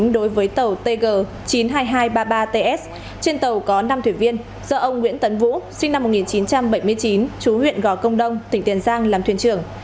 tổ công tác đã tiến hành chính đối với tàu tg chín mươi hai nghìn hai trăm ba mươi ba ts trên tàu có năm thuyền viên do ông nguyễn tấn vũ sinh năm một nghìn chín trăm bảy mươi chín chú huyện gò công đông tỉnh tiền giang làm thuyền trưởng